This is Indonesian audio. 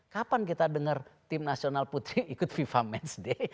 kapan kita dengar tim nasional putri ikut fifa matchday